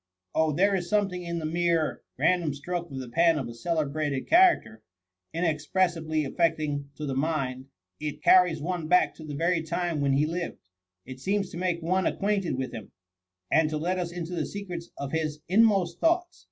^ Oh, there is something in the mere random stroke of the pen of a celebrated cha racter, inexpressibly affecting to the mind ;— it carries one back to the very time when he lived — it seems to make one acquainted with him, and to let us into the secrets of his inmost thoughts.